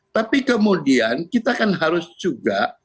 tapi kemudian kita kan harus juga